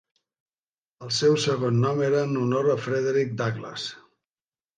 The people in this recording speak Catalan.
El seu segon nom era en honor a Frederick Douglas.